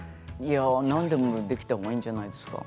なんでもできたほうがいいんじゃないですか。